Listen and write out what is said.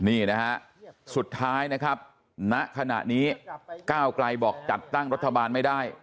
นี่นะฮะสุดท้ายนะครับณขณะนี้ก้าวไกลบอกจัดตั้งรัฐบาลไม่ได้